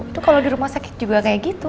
itu kalau di rumah sakit juga kayak gitu